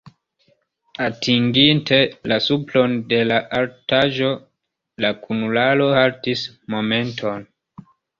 Atinginte la supron de la altaĵo, la kunularo haltis momenton.